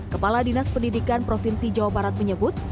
kepala dinas pendidikan provinsi jawa barat menyebut